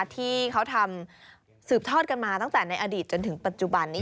ที่เขาทำสืบทอดกันมาตั้งแต่ในอดีตจนถึงปัจจุบันนี้